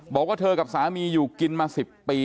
บอกว่าเธอกับสามีอยู่กินมา๑๐ปี